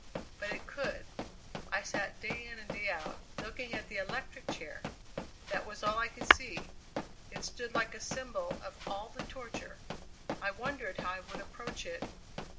But it could! I sat day in and day out, looking at the electric chair! That was all I could see: it stood like a symbol of all the torture. I wondered how I would approach it.